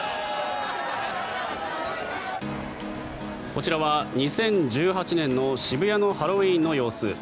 こちらは２０１８年の渋谷のハロウィーンの様子。